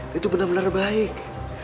dia tuh benar benar baik